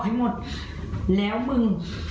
ให้หมดแล้วมึง